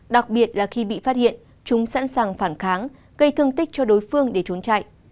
đặc biệt là khi bị phát hiện chúng sẵn sàng phản kháng gây thương tích cho đối phương để trốn chạy